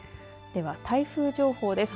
では、台風情報です。